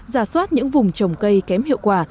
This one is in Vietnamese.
giả soát những vùng trồng cây kém hiệu quả